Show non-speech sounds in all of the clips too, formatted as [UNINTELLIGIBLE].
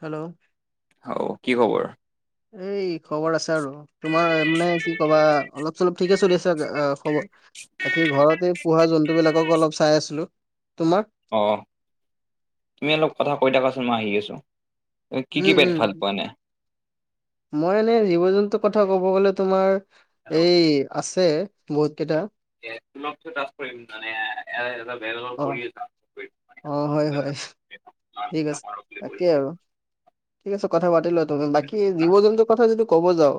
Hello. অ কি খবৰ? এই খবৰ আছে আৰু। তোমাৰ মানে কি কবা অলপ চলপ ঠিকে চলি আছে খবৰ। বাকি ঘৰতে পোহা জন্তু বিলাকক অলপ চাই আছিলো, তোমাৰ? অ, তুমি অলপ কথা কৈ থাকাচোন মই আহি আছো। কি কি উম পেট ভাল উম পোৱা এনে? মই এনে জীৱ-জন্তুৰ কথা ক'ব গলে তোমাৰ এই আছে বহুত কেইটা। অ [UNINTELLIGIBLE] অ, হয় হয়। [INAUDIBLE] ঠিক আছে তাকে আৰু। ঠিক আছে কথা পাতি লোৱা তুমি বাকী জীৱ-জন্তুৰ কথা যদি ক'ব যাও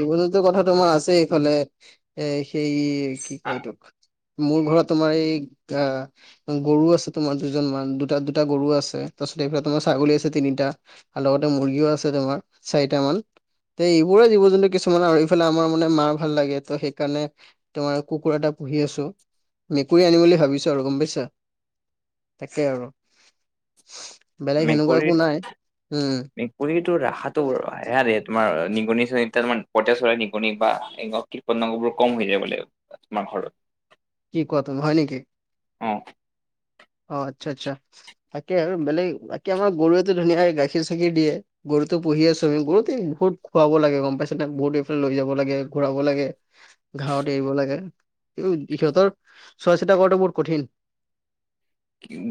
জীৱ-জন্তু কথা তোমাৰ আছে এইফালে এ সেই কি কয় তোক মোৰ ঘৰত তোমাৰ এই আ গৰু আছে তোমাৰ দুজন মান দুটা দুটা গৰু আছে। তাৰপাছত এইফালে তোমাৰ ছাগলী আছে তিনিটা আৰু লগতে মুৰ্গীও আছে তোমাৰ চাৰিটা মান। তে এইবোৰে জীৱ-জন্তু কিছুমান আৰু ইফালে আমাৰ মানে মাৰ ভাল লাগে ত সেইকাৰণে তোমাৰ কুকুৰ এটা পুহি আছো। মেকুৰী আনিম বুলি ভাবিছো আৰু গম পাইছা? তাকেই আৰু। বেলেগ সেনেকুৱা মেকুৰী একো নাই উম কুৰীটো ৰাখাটো হে তোমাৰ নিগনি চিগনি তাৰ মানে পইতা চৰা নিগনি বা কম হৈ যায় বোলে তোমাৰ ঘৰত। কি কোৱা তুমি হয় নেকি? অ অ, আচ্ছা আচ্ছা। তাকে আৰু বেলেগ তাকে আমাৰ গৰুৱেটো ধুনীয়াকে গাখীৰ চাখীৰ দিয়ে। গৰুতো পুহি আছো আমি গৰুতোক বহুত খুৱাব লাগে গম পাইছ নাই বহুত এইফালে লৈ যাব লাগে ঘূৰাব লাগে। ঘাঁৱত এৰিব লাগে সিহঁতৰ চোৱা চিতা কৰাটো বহুত কঠিন।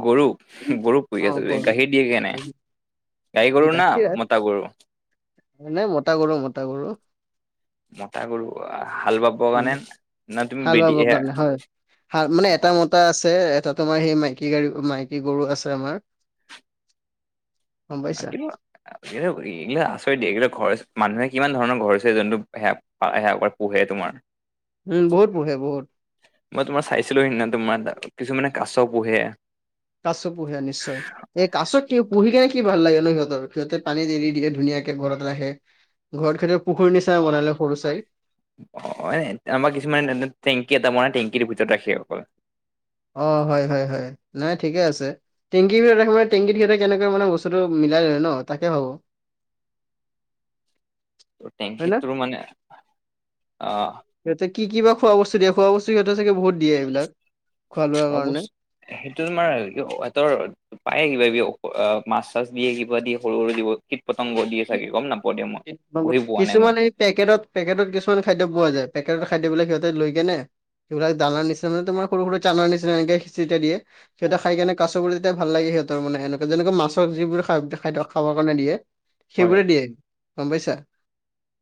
গৰুক গৰুক পুহি অ আছা গৰু গাখীৰ দিয়ে কে নাই। গাই গৰু না মতা গৰু? নাই মতা গৰু মতা গৰু। মতা গৰু হাল বাব উম, কাৰণে নহ তুমি হাল বেদি বাবৰ এ কাৰণে হয় মানে এটা মত এটা আছে এটা তোমাৰ সেই মাইকী গৰু মাইকী গৰু আছে আমাৰ। গম পাইছা। কিন্তু এই এইলাক আচৰিত দিয় এইগিলা ঘৰ মানুহে কিমান ধৰণৰ ঘৰ হৈছে, যোনটো সেয়া সেয়া পোহে তোমাৰ। উম বহুত পোহে বহুত। মই তোমাৰ চাইছিলো সেদিনা তোমাৰ কিছুমানে কাছ পোহে। কাচ পোহে নিশ্চয়। এ, কাছত কি পুহি কেনে কি ভাল লাগে ন সিহঁতৰ সিহঁতে পানী এৰি দিয়ে ধুনীয়াকে ঘৰত ৰাখে। ঘৰত কেইয়াবা পুখুৰী চাই বনালে সৰু ছাই। অ, আমাৰ কিছুমানে টেংকি এটা মনাই টেংকিটোৰ ভিতৰত ৰাখে অকল। অ, হয়, হয়, হয় নাই ঠিকে আছে। টেংকিৰ ভিতৰত মানে টেকিৰ ভিততে কেনেকে মানে বস্তু মাই লয় ন তাকে ভাবো। হয় না। টেংকিটোৰ মানে আহ। সিহঁতে কি কি বা খোৱা বস্তু দিয়ে খোৱা বস্তু সিহঁতে চাগে বহুত দিয়ে এইবিলাক খোৱা লোৱাৰ কাৰণে। অৱশ্য সেইটো তোমাৰ ইহঁতৰ পায়ে কিবা কিবি মাছ চাছ দিয়ে কিবা দিয়। সৰু সৰু দিব কীট পতংগ দিয়ে চাগিব গম নাপাওঁ। দিয়া মই পুহি পোৱা নাই মই কিছুমানে। পেকেটত পেকেটত কিছুমান খাদ্য পোৱা যায়। পেকেটত খাদ্যবিলাক সিহঁতে লৈ কেনে। সেই বিলাক দানা নিচিনা তোমাৰ সৰু সৰু দানা নিচিনা এনেকে খিচিতি দিয়ে। সিহঁতে খাই কেনে কাছবোৰ যেতিয়া ভাল লাগে সিহঁতৰ মানে এনেকোৱা যেনেকা মাছ যিবোৰ খ খাবৰ কাৰণে দিয়ে। হয় সেইবোৰে দিয়ে গম পাইছা।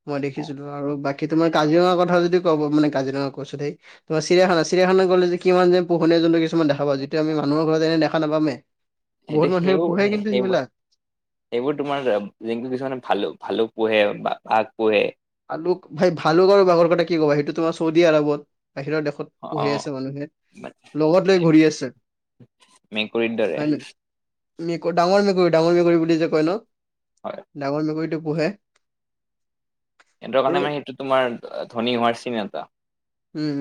মই দেখিছিলো আৰু বাকী তো মই কাজিৰঙাৰ কথা যদি ক'ব মানে কাজিৰঙা কৈছো সেই তো চিৰিয়াখান চিৰিয়াখানা গলে যে কিমান যে পোহনীয়া জন্তু কিছুমান দেখা পাওঁ যিটো আমিানুহৰ ঘৰত এনে দো নাপামে। বহুত সেইটো মানুহে সেইবোৰ পোহে কিন্তু সেইবিলাক সেইবোৰ এইবোৰ তোমাৰ কিছুমানে ভালো ভালুক পোহে বা বাঘ পোহে। ভালুক ভাই ভালুকৰ আৰু বাঘৰ কাৰণে কি ক'বা সেইটো তোমাৰ চৌদি আৰবত বাহিৰৰ দেশত। অ পঢ়ি আছে মানুহে লগত লৈ ঘূৰি আছে মেকুৰীৰ দৰে হয় নে। মেকুৰ ডাঙৰ মেকুৰী ডাঙৰ মেকুৰী বুলি যে কয় হয় ন' ডাঙৰ মেকুৰীটো পোহে। সিহঁতৰ আৰু কাৰণে মানে সেইটো তোমাৰ ধনী হোৱাৰ চিন এটা। উ'ম।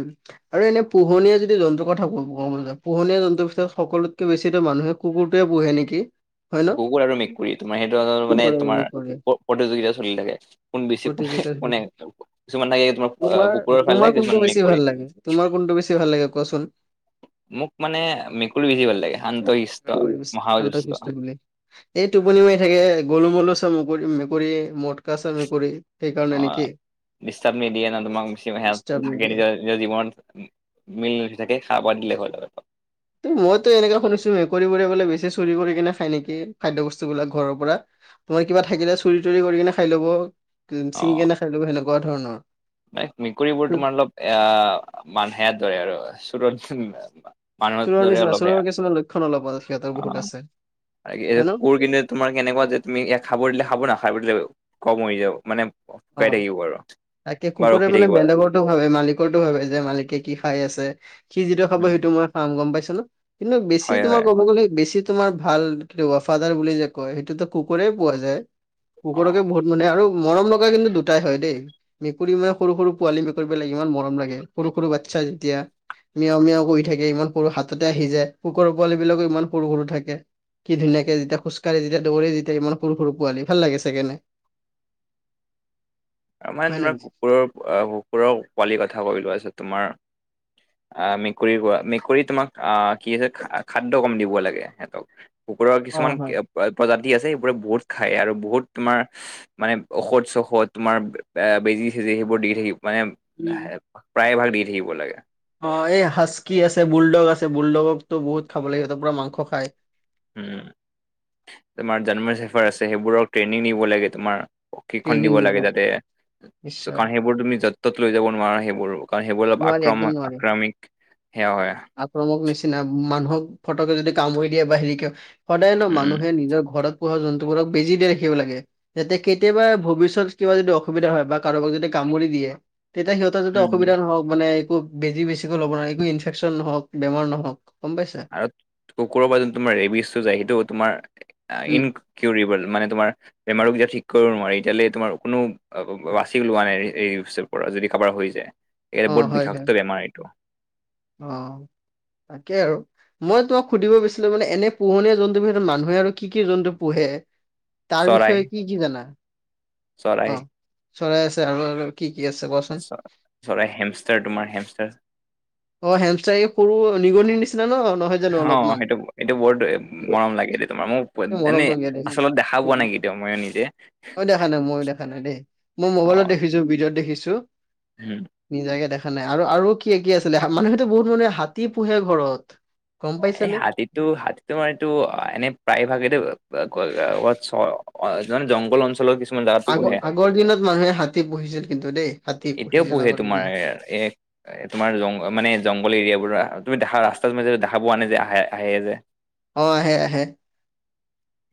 আৰু এনে পোহনীয়া যদি জন্তুৰ কথা কব ক'ব পোহনীয়া জন্তুৰ পিছত সকলোতকে বেছিতো মানুহে। কুকুৰটোৱে পোহে নেকি। হয় ন কুকুৰ আৰু মেকুৰী তোমাৰ সেইটো মানে কুকুৰ আৰু তোমাৰ মেকুৰী প্ৰতিযোগিতা চলি থাকে। কোন বেছি কোনে প্ৰতিযোগিতা কোনে কিছুমান লাগে। তোমাৰ কুকুৰৰ তোমাৰ ফালে কোনটো কিছুমান বেছি ভাল মেকুৰি। তোমাৰ কোনটো বেছি ভাল লাগে কোৱাচোন। মোক মানে মেকুৰি বেছি ভাল লাগে শান্ত শষ্টি মেকুৰী বেছি মহা শান্ত দুষ্ট। শিষ্ট বুলি এই টোপনি মাৰি থাকে গলু মলু চা মেকুৰী মেকুৰী মটকা চা মেকুৰী অ সেইকাৰণে নেকি। ডিষ্টাৰ্ব নিদিয়ে ন তোমাক বেছি ডিষ্টাৰ্ব [INAUDIBLE] নিদিয়ে নিজৰ জীৱনত মিল নুঠি থাকে সাৰ বাদ দিলে হ'ল আৰু। ত মইতো এনেকে শুনিছো মেকুৰীবোৰে বোলে বেছি চুৰি কৰি কিনে খাই নেকি খাদ্য বস্তুবিলাক ঘৰৰ পৰা। তোমাৰ কিবা থাকিলে চুৰি তুৰি কৰি কিনে খাই লব ছিঙি কেনে খাই লব সেনেকুৱা ধৰণৰ। ম মেকুৰীবোৰ হুম, তোমাৰ অলপ এ মান সে দৰে আৰু চোৰত। মানুহৰ চোৰৰ দৰে নিচিনা অলপ চোৰৰ কিছুমান লক্ষণ অলপ সিহঁতৰ বহুত সেয়া অ' আছে তাকে হয় ন কুকুৰ কিনি। তোমাৰ কেনেকুৱা যে তুমি ইয়াক খাব দিলে খাব না খাব দিলে কম হৈ যাব মানে অ শুকাই থাকিব আৰু। তাকে বা কুকুৰে ৰখি মানে থাকিব বেলেগৰো ভাবে মালিকৰটো ভাবে যে মালিকে কি খাই আছে। সি যিটো খাব সেইটো মই খাম গম পাইছো ন কিন্তু বেছি হয় তোম হয় কব গ'লে বেছি। তোমাৰ ভাল ফাদাৰ বুলি যে কয়। সেইটোতো কুকুৰেই পোৱা যায়। অ কুকুৰকে বহুত মানে আৰু মৰম লগা কিন্তু দুটাই হয় দেই। মেকুৰী মানে সৰু সৰু পোৱালী মেকুৰীবিলাক ইমান মৰম লাগে সৰু সৰু বাচ্ছা যেতিয়া। মিয়ও মিয়ও কৰি থাকে ইমান সৰু হাততে আহি যায় কুকুৰ পোৱালী বিলাকো ইমান সৰু সৰু থাকে। কি ধুনীয়াকে যেতিয়া খোজকাঢ়ি যেতিয়াৌৰি যেতিয়া ইমান সৰু সৰু পোৱালি ভাল লাগে চাগেনে। মানে হয় নে তোমাৰ নহয় কুকুৰৰ কুকুৰৰ পোৱালিৰ কথা কৈ লোৱাছে তোমাৰ। আহ মেকুৰীৰোৱা মেকুৰীত তোমাক আহ কি আ হৈছে খাদ্য কম দিব লাগে সিহঁতক। কুকুৰৰ কিছুমান অ হয় প্ৰজাতি আছে সেবোৰে বহুত খায় আৰু বহুত তোমাৰ মানে ঔষধ চৌষধ্ তোমাৰ বেজি চেজি সেইবোৰ দি থাকিব মানে উম প্ৰায় ভাগ দি থাকিব লাগে। অ', এই সাজ্কি আছে বুলদগ আছে। বুলদগক তো বহুত খাব লাগে সিহঁতৰ পুৰা মাংস খায়। উম তোমাৰ জন্ম চেফাৰ আছে সেইবোৰক ট্ৰেইনিং দিব লাগে তোমাৰ। পক্ষিনখন দিব লাগে যাতে নিশ্চয় কাৰণ সেইবোৰ তুমি য'ত ত'ত লৈ যাব নোৱাৰা সেইবোৰো কাৰণ সেইবোৰ অলপ নোৱাৰি একদম আক্ৰমক নোৱাৰি আক্ৰামিক। সেইয়া হয়। আক্ৰমক নিচিনা মানুহক ফটকে যদি কামৰি দিয়ে বাহিৰি কিয় সদায় ন উম মানুহে নিজৰ ঘৰত পোহা জন্তুবোৰক বেজি দি ৰাখিব লাগে। যাতে কেতিয়াবা ভৱিষ্যত কিবা যদি অসুবিধা হয় বা কাৰোবাক যদি কামুৰি দিয়ে তেতিয়া সিহঁত যতে উম অসুবিধা নহওক মানে একো বেজি বেছিকৈ ল'ব নোৱ একো ইনফেকশচন নহওক বেমাৰ নহওক গম পাইছা। কুকুৰ বা যোন তোমাৰ ৰেবিচটো যায় সেইটো তোমাৰ উম ইন কিউৰিবুল মানে তোমাৰ বেমাৰো কেতিয়াও ঠিক কৰিব নোৱাৰি কেলে তোমাৰ কোনো বাচি লোৱা নাই এইৰ পৰা যদি কাৰোবাৰ হৈ যায় অ এইয়া বহুত হয় হয় বিষাক্ত বেমাৰ এইটো। অ', তাকেই আৰু। মই তোমাক সুধিব বিচছিলো মানে এনে পোহনীয়া জন্তু ভিতৰত মানুহে আৰু কি কি জন্তু পোহে? তাৰ চৰাই বিষয়ে কি কি জানা চৰাই অ, চৰাই আছে আৰু কি কি আছে কোৱাচো চ চৰাই হেমষ্টাৰ তোমাৰ হেমষ্টাৰ। অ', হেমষ্টাৰ এ হৰো নিগনি নিচিনা ন নহয় জানো অ অলপমান। সেইটো এইটো বহুত মৰম লাগে দে তোমাৰ মোক মৰম এনেই ল দে আচলত দেখা পোৱা নাই কেতিয়াও ময়ো নিজে মই দেখা নাই মই দেখা নাই দেই। মই মোবাইলত দেখিছো ভিডিঅ'ত দেখিছো। হম। নিজাকে দেখা নাই আৰু আৰু কি কি আছিলে মানুহেতো বহুত মানুহে হাতী পোহে ঘৰত। গম এ পাইছানে হাতীটো হাতী, তোমাৰ এইটো এনে প্ৰায় ভাগে তে এই মানে জংঘল অঞ্চলৰ কিছু আগ আগৰ দিনত মানুহে হাতী পুহিছিল কিন্তু দেই। হাতী এতিয়াও পুহিছিল পুহে আগৰ তোমাৰ দিনত এ এ তোমাৰ জং মানে জংঘল এৰিয়াবোৰ তুমি দোহা ৰাস্তাটো ম দোহা বোৱা নে যে আহে আহে যে। অ', আহে আহে।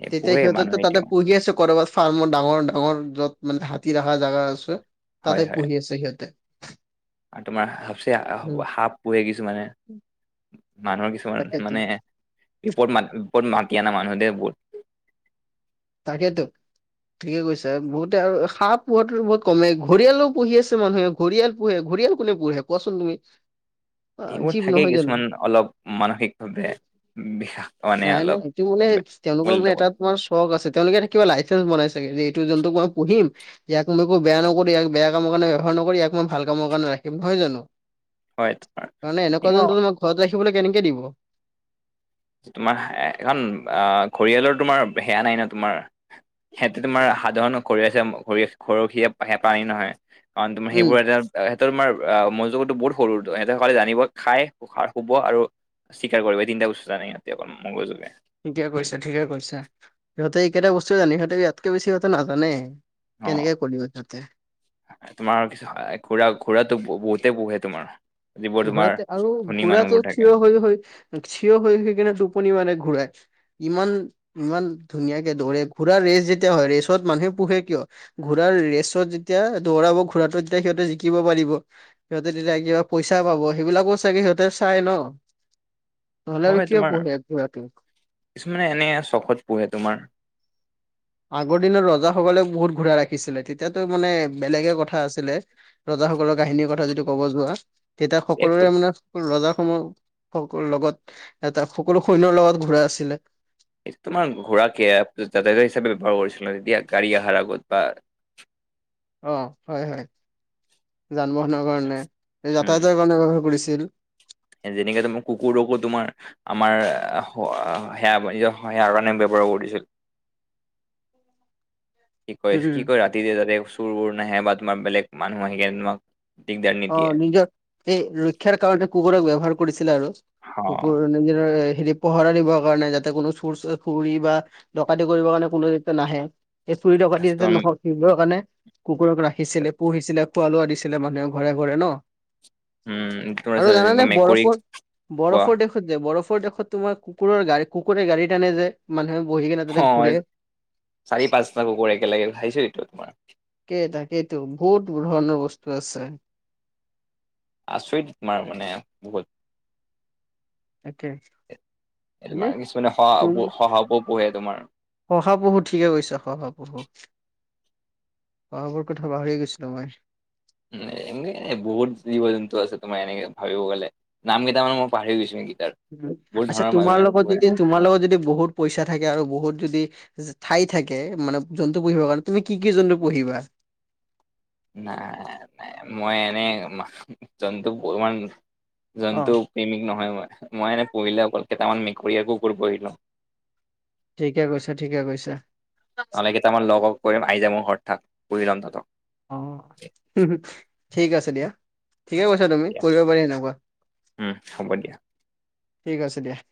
তেতিয়া পোহে সিহঁতেটো মানুহে তাতে এতিয়াও পুহি আছে কৰবাত ফাৰ্মৰ ডাঙৰ ডাঙৰ যত মানে হাতী ৰখা জাগা আছে। হয় তাতে হয় পুহী আছে সিহঁতে। আৰু তোমাৰ সবচে উম সাপ পোহে কিছুমানে। মানুহৰ কিছুমান তাকেতো মানে ৰিপৰ্ট মা ৰিপৰ্ট মাতি আনা মানুহ দে বহুত তাকেইেতো। ঠিকে কৈছে বহুতে আৰু সাঁপ পোহাতো বহুত কমে ঘৰিয়ালও পুহি আছে মানুহে। ঘৰিয়াল পোহে ঘৰিয়াল কোনে পোহে কোৱাচোন তুমি? অ, এইবোৰ জীৱ থাকেই নহয় জানো কিছুমান অলপ মানসিকভাৱে বিষাস মানে নাই নাই অলপ সেইটো মানে তেওঁলোকৰ মানে তাত তোমাৰ চখ আছে তেওঁলোকে এটা কিবা লাইচেন্ঞ্চ বনাই চাগে যে এইটো জোনটো মই পুহিম। ইয়াক মই একো বেয়া নকৰি ইয়াক বেয়া কাম কাৰণে ব্যৱহাৰ নকৰি ইয়াক মই ভাল কামৰ কাৰণে ৰাখিম নহয় জানো। হয় তোমাৰ মানে এনেকুৱা জন্তু তোমাক ঘৰত ৰাখিবলৈ কেনেকে দিব। তোমাৰ এখন আহ ঘৰিয়ালৰ তোমাৰ সেয়া নাই ন তোমাৰ সিহঁতে তোমাৰ সাধাৰণ খৰিয় আছেৰি ঘৰ সি হেঁ পানী নহয় কাৰণ তোমাৰ উম সেইবোৰ এটা আ সিহতৰ তোমাৰ আহ মনোজোগতো বহুত সৰু সিহঁতৰ সকলে জানিব খাই শুব আৰু স্বীকাৰ কৰিব এই তিনটা বস্তু জানে ইহঁতে অকল মগযুৱে। ঠিকে কৈচা ঠিকে কৈচা সিহঁতে এই কেইটা বস্তুৱে জানে সিহঁতে ইয়াতকে বেছি ইহতে নাজানে। কেনেকে কৰিবা তাতে? আহ এ তোমাৰ পিছে ঘোঁৰা ঘোঁৰাটো বহুতেই পোহে তোমাৰ। যিবোৰ তোমাৰ ঘোঁৰাতে আৰু ধনী ঘোঁৰাটো মানুহবোৰ থাকে থিয় হৈ হৈ ই আহ্ থিয় হৈ হৈ কিনে টোপনি মানে ঘোঁৰাই। ইমান ইমান ধুনীয়াকে দৌৰে ঘোঁৰা ৰেচ যেতিয়া হয় ৰেচত মানুহে পোহে কিয়? ঘোঁৰাৰ ৰেচত যেতিয়া দৌৰাব ঘোঁৰাটো তেতিয়া সিহঁতে জিকিব পাৰিব ইহ সিহঁতে তেতিয়া কিবা পইচা পাব সেইবিলাকো চাগে সিহঁতে চাই ন নহলে আৰু হয় কিয় তোমাৰ পোহে ঘোঁৰাটো। কিছুমানে এনে আৰ চখত পোহে তোমাৰ। আগৰ দিনত ৰজাসকলে বহুত ঘোঁৰা ৰাখিছিলে তেতিয়াতো মানে বেলেগে কথা আছিলে। ৰজাসকলৰ কাহিনীৰ কথা যদি ক'ব যোৱা তেতিয়া এক সকলোৰে মানে ৰজা সমূহ সকল লগত ই আ আ এটা সকলো সৈন্যৰ লগত ঘোঁৰা আছিলে। এই তোমাৰ ঘোঁৰাকে যাতায়তৰ হিচাপে ব্যৱহাৰ কৰিছিল ন তেতিয়া গাড়ী আহাৰ আগত বা অ হয় হয়, যান-বাহনৰ কাৰণে যাতায়াতৰ কাৰণে ব্যৱহাৰ কৰিছিল। এই যেনেকে টো কুকুৰকো তোমাৰ আমাৰ স সেয়া নিজৰ সেৱাৰ কাৰণে ব্যৱহাৰ কৰিছিল। কি কয় উম কি কয় ৰাতি যাতে চোৰ-বোৰ নাহে বা তোমাৰ বেলেগ মানুহ আহি কেনে তোমাক দিগদাৰ নিদিয়ে অ' নিজৰ এই ৰক্ষাৰ কাৰণতে কুকুৰক ব্যৱহাৰ কৰিছিলে আৰু হ কুকুৰ নিজৰ হেৰি পহৰা দিবৰ কাৰণে যাতে কোনো চুৰ-চাৰ কৰি বা ডকাইতি কৰিবৰ কাৰণে কোনো যাতে নাহে। এই চুৰি ডকাতি যেন তোমাৰ নহওক সেইবোৰৰ কাৰণে কুকুৰক ৰাখিছিলে পুহিছিলে খোৱা-লোৱা দিছিলে মানুহে কু ঘৰে ঘৰে ন উম আৰু তোমাৰ জানানে মেকুৰীক বৰফৰ কোৱা বৰফৰ দেশ তাত যে বৰফৰ দেশত তোমাৰ কুুকুৰৰ গাড়ী কুকুৰে গাড়ী টানে যে মানুহে বহিকিনে, হঁয় চাৰি-পাঁচটা কুকুৰ একেলগে ভাহিচিটো তোমাৰ, তাকেই তাকেইেটো বহুত ধৰণৰ বস্তু আছে। আচৰিত তোমাৰ মানে বহুত তাকে এ এনে কিছুমানে কিছুমানে তুম শহা শহাপহু পোহে তোমাৰ। শহাপহু ঠিকে কৈছা শহাপহু চিৰিক। শহাপহুৰ কথা পাহৰিয়ে গৈছিলো মই। এনে এনেই বহুত জীৱ-জন্তু আছে তোমাৰ এনেকে ভাবিব গ'লে। নাম কেইটামান মই পাহৰি গৈছো সেইকেইটাৰ। হুম উ বহুত আচ্ছা ধৰণৰ তোমাৰ মানুহে লগত পোহে যদি তোমাৰ লগত যদি বহুত পইচা থাকে আৰু বহুত যদি যে ঠাই থাকে মানে জন্তু পু়হিবৰ কাৰণে তুমি কি কি জন্তু পুহিবা? নাই নাই নাই মই এনেই মাছ জন্তু ইমান অ জন্তু প্ৰেমিক নহয় মই, মই এনে পুহিলে অকল কেইটামান মেকুৰীয়ে কুকুৰ পুহিলো। ঠিকে কৈছা ঠিকে কৈছা। এই কেইটামান লগক কৈদিম আহি যা মোৰ ঘৰত থাক পুহি লম তহঁতক। অ অ অ, হুম হুম ইস্ ঠিক আছে দিয়া। ঠিকে কৈছা তুমি দিয়া কৰিব পাৰি এনেকুৱা উম হ'ব দিয়া ঠিক আছে দিয়া।